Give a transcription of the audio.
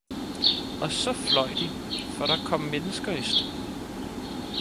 Og så fløj de, for der kom mennesker i stuen